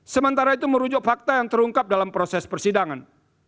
sementara itu merujuk fakta yang terungkap dalam proses persidangan